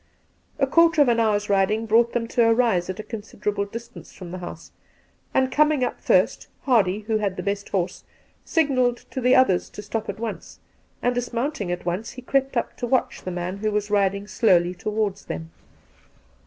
A quarter of an hour's riding brought them to a rise at a considerable distance from the house, and; coming up first, Hardy, wha had the best horse, signalled to the others to stop at once ; and, dis mounting at once, he crept up to watch the man who was riding slowly towards them.